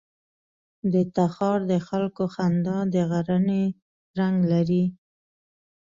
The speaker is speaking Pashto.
د تخار د خلکو خندا د غرنی رنګ لري.